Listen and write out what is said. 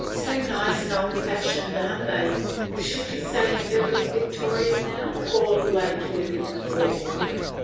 " So nice and old fashioned, aren't they ? Should you say Early Victorian now, or late William the Fourth